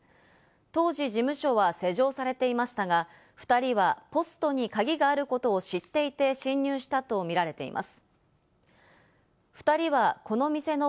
当時、事務所は施錠されていましたが、２人はポストに鍵があることを知っていて侵入したとみられています。